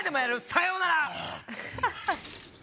さようなら！